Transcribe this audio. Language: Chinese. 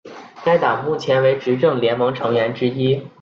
该党目前为执政联盟成员之一。